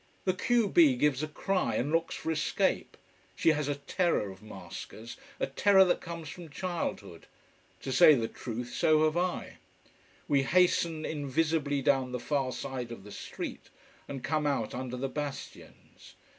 The q b gives a cry, and looks for escape. She has a terror of maskers, a terror that comes from childhood. To say the truth, so have I. We hasten invisibly down the far side of the street, and come out under the bastions.